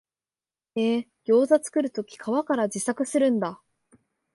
へえ、ギョウザ作るとき皮から自作するんだ